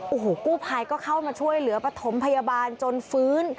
โอ้โหกู้ภัยก็เข้ามาช่วยเหลือปฐมพยาบาลจนฟื้น